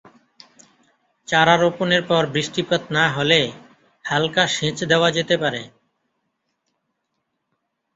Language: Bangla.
চারা রোপণের পর বৃষ্টিপাত না হলে হালকা সেচ দেওয়া যেতে পারে।